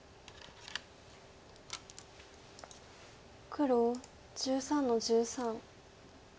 黒１３の十三。